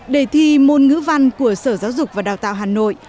đề thi môn ngữ văn của sở giáo dục và đào tạo hà nội